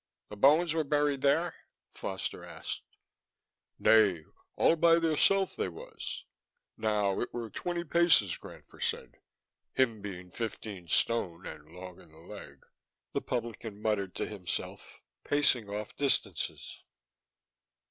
"The bones were buried there?" Foster asked. "Nay, all by theirself, they was. Now it were twenty paces, granfer said, him bein fifteen stone and long in the leg...." The publican muttered to himself, pacing off distances.